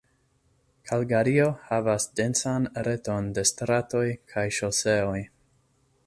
Kalgario havas densan reton de stratoj kaj ŝoseoj.